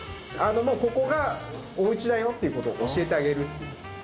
もうここがおうちだよっていうことを教えてあげるっていう。